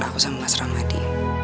aku sama mas rahmadi